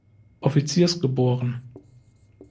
Offiziers geboren.